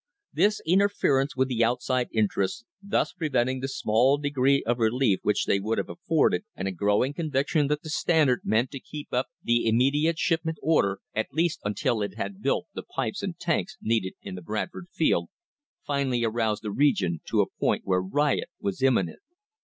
This interference with the outside interests, thus preventing the small degree of relief which they would have afforded, and a growing conviction that the Standard meant to keep up the "immediate shipment" order, at least until it had built the pipes and tanks needed in the Bradford field, finally aroused the region to a point where riot was imminent.